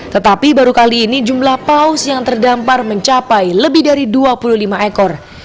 tetapi baru kali ini jumlah paus yang terdampar mencapai lebih dari dua puluh lima ekor